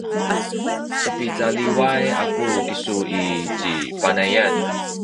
sipicaliway aku kisu i ci Panayan